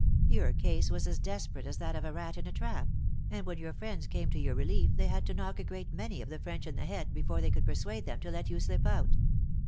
Your case was as desperate as that of a rat in a trap ; and when your friends came to your relief, they had to knock a great many of the French in the head before they could persuade them to let you slip out.